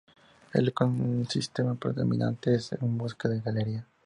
El ecosistema predominante es bosque de galería.